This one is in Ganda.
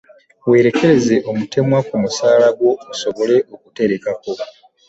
Weerekereze omutemwa ku musaala gwo osobole okuterekako.